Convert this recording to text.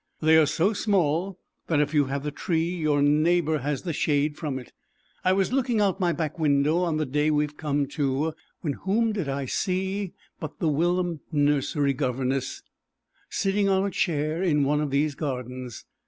They are so small that if you have the tree your neighbour has the shade from it. I was looking out at my back window on the day we have come to when whom did I see but the whilom nursery governess sitting on a chair in one of these gardens.